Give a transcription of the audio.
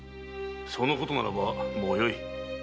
そのことならばもうよい。